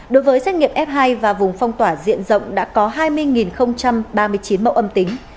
đối với xét nghiệm f hai và vùng phong tỏa diện rộng đã có hai mươi ba mươi chín mẫu âm tính